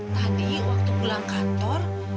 tadi waktu pulang kantor